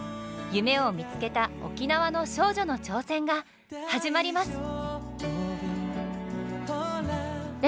夢を見つけた沖縄の少女の挑戦が始まります！